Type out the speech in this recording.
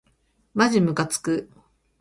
まじむかつく